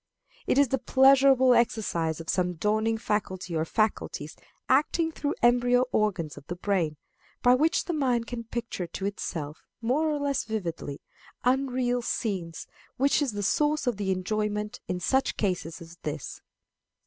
It is the pleasurable exercise of some dawning faculty or faculties acting through embryo organs of the brain, by which the mind can picture to itself, more or less vividly, unreal scenes, which is the source of the enjoyment in such cases as this.